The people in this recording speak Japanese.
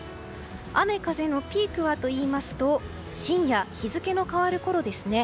雨風のピークはといいますと深夜日付の変わるころですね。